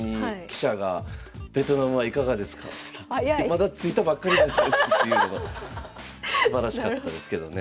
「まだ着いたばっかりなんです」っていうのがすばらしかったですけどね